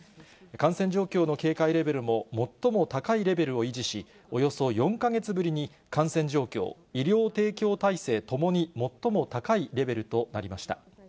感染状況の警戒レベルも最も高いレベルを維持し、およそ４か月ぶりに感染状況、医療提供体制ともに最も高いレベルとなりました。